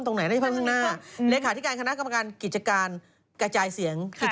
ต้องมีเลขสวยถ้าสิครับกี่บาทอยู่เรื่องนี้